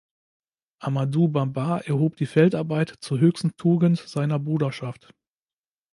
Amadou Bamba erhob die Feldarbeit zur höchsten Tugend seiner Bruderschaft.